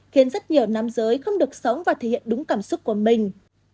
khiến rất nhiều nam giới không được sống và thể hiện đúng cảm xúc của mình